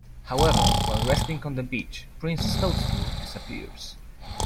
However, while resting on the beach, Princess Toadstool disappears.